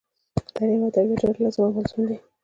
تعلم او تربیه دواړه لاظم او ملظوم دي.